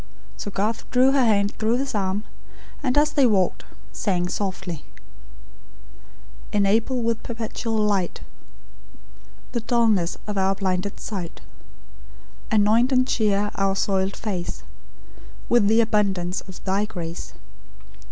So Garth drew her hand through his arm; and, as they walked, sang softly: "Enable with perpetual light, The dulness of our blinded sight; Anoint and cheer our soiled face With the abundance of Thy grace.